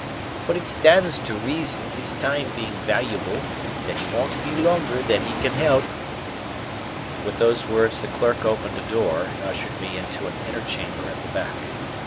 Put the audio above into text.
But it stands to reason, his time being valuable, that he won't be longer than he can help." With those words, the clerk opened a door, and ushered me into an inner chamber at the back.